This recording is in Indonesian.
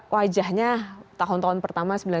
wajahnya tahun tahun pertama